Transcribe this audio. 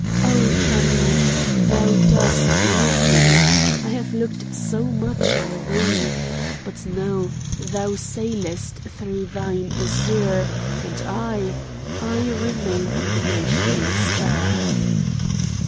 "O Tanith! thou dost love me? I have looked so much on thee! But no! thou sailest through thine azure, and I—I remain on the motionless earth.